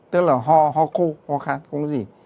tức là ho ho khô ho kháng không có gì